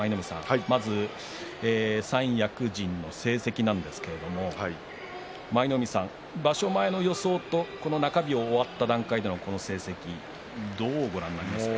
まず三役陣の成績なんですけれど舞の海さん、場所前の予想とこの中日を終わった段階でのこの成績、どうご覧になりますか？